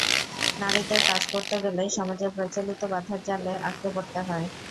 নারীদের কাজ করতে গেলে সমাজের প্রচলিত বাধার জালে আটকে পড়তে হয়।